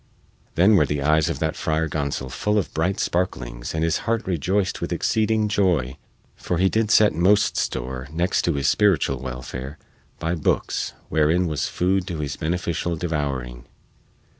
Then were the eyes of that Friar Gonsol full of bright sparklings and his heart rejoiced with exceeding joy, for he did set most store, next to his spiritual welfare, by bookes wherein was food to his beneficial devouring.